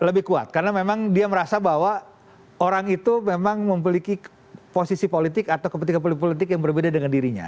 lebih kuat karena memang dia merasa bahwa orang itu memang memiliki posisi politik atau kepentingan politik yang berbeda dengan dirinya